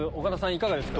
いかがですか？